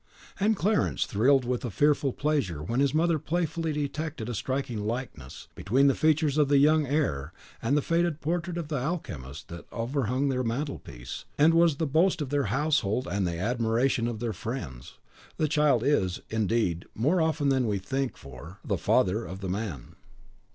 And Clarence thrilled with a fearful pleasure when his mother playfully detected a striking likeness between the features of the young heir and the faded portrait of the alchemist that overhung their mantelpiece, and was the boast of their household and the admiration of their friends, the child is, indeed, more often than we think for, "the father of the man."